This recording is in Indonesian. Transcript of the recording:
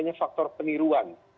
adanya faktor peniruan